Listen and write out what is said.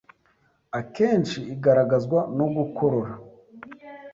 Akenshi igaragazwa no gukorora,